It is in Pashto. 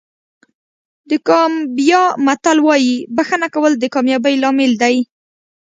د ګامبیا متل وایي بښنه کول د کامیابۍ لامل دی.